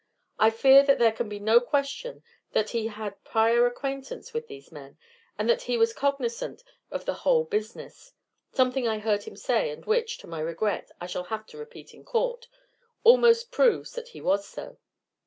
I fear that there can be no question that he had prior acquaintance with these men, and that he was cognizant of the whole business; something I heard him say, and which, to my regret, I shall have to repeat in court, almost proves that he was so.